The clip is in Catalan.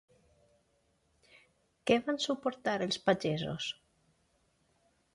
Què van suportar els pagesos?